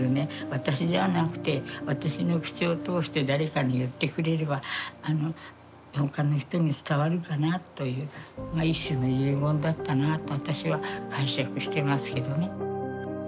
私じゃなくて私の口を通して誰かに言ってくれれば他の人に伝わるかなという一種の遺言だったなと私は解釈してますけどね。